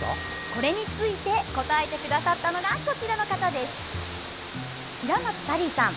これについて答えてくださったのが平松サリーさん。